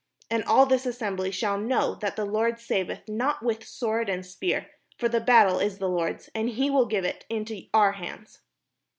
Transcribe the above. And all this assembly shall know that the Lord saveth not with sword and spear: for the battle is the Lord's, and he will give you into our hands."